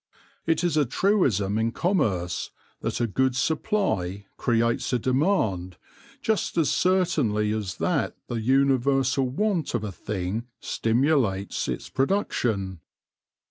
It is a truism in commerce that a good supply creates a demand just as certainly as that the universal want of a thing stimulates its production.